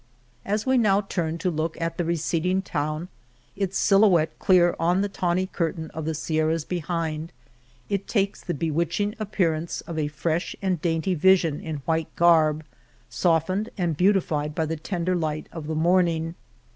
As we now turn to look at the receding town, its silhouette clear on the tawny cur tain of the Sierras behind, it takes the be witching appearance of a fresh and dainty vision in white garb, softened and beautified by the tender light of the morning.